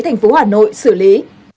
thành phố hà nội xử lý